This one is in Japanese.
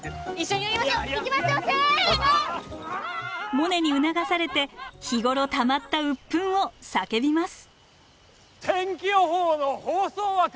モネに促されて日頃たまった鬱憤を叫びます。